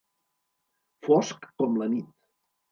Fosc com la nit.